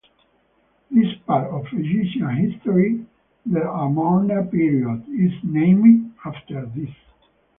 This part of Egyptian history, the Amarna period, is named after this.